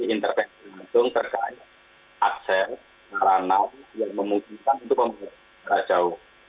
intervensi langsung terkait akses naranang yang memungkinkan untuk pemerintah sejarah jauh